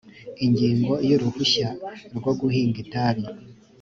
ingingo ya uruhushya rwo guhinga itabi